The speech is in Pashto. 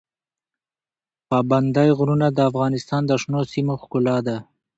پابندی غرونه د افغانستان د شنو سیمو ښکلا ده.